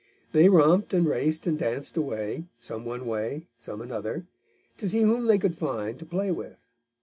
They romped and raced and danced away, some one way, some another, to see whom they could find to play with.